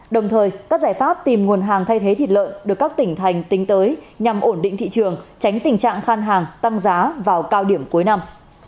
đồng thời các giải pháp tìm nguồn hàng thay thế thịt lợn được các tỉnh thành tính tới nhằm ổn định thị trường tránh tình trạng khan hàng tăng giá vào cao điểm cuối năm